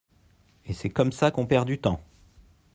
Et c'est comme ça qu'on perd du temps.